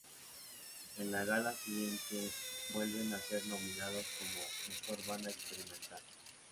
En la gala siguiente, vuelven a ser nominados como "Mejor banda experimental".